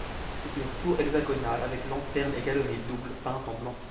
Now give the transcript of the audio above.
C'est une tour hexagonale, avec lanterne et galerie double, peinte en blanc.